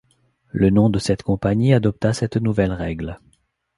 Le nom de cette compagnie adopta cette nouvelle règle.